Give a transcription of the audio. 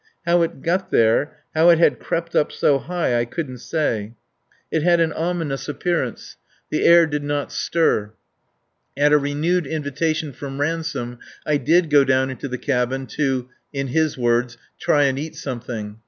How it got there, how it had crept up so high, I couldn't say. It had an ominous appearance. The air did not stir. At a renewed invitation from Ransome I did go down into the cabin to in his own words "try and eat something."